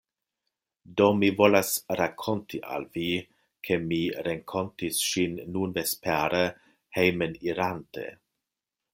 Do mi volas rakonti al Vi, ke mi renkontis ŝin nun vespere, hejmenirante.